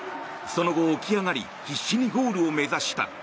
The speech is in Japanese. その後、起き上がり必死にゴールを目指した。